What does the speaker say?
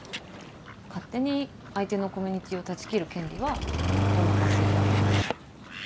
勝手に相手のコミュニティーを断ち切る権利はどんな関係であれないと思う。